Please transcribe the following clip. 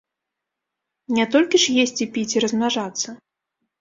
Не толькі ж есці, піць і размнажацца.